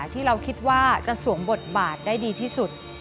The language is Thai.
ที่เราคิดว่าจะสวมบทบาทได้ดีที่สุด